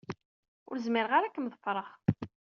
Ur zmireɣ ara ad kem-ḍefreɣ.